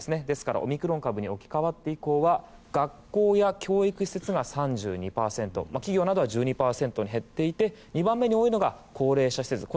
ですから、オミクロン株に置き換わって以降は学校や教育施設が３２％企業などは１２％に減っていて２番目に多いのが高齢者施設。